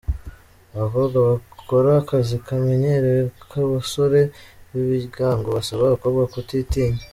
Abakobwa b’akora akazi kamenyerewe ku basore b’ibigango basaba abakobwa kutitinya.